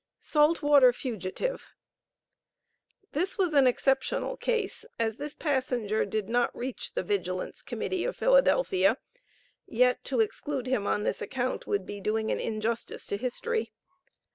SALT WATER FUGITIVE. This was an exceptional case, as this passenger did not reach the Vigilance Committee of Philadelphia, yet to exclude him on this account, would be doing an injustice to history.